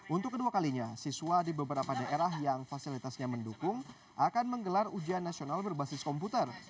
untuk kedua kalinya siswa di beberapa daerah yang fasilitasnya mendukung akan menggelar ujian nasional berbasis komputer